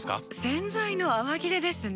洗剤の泡切れですね。